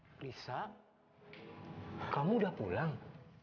mbak lisa kamu udah pulang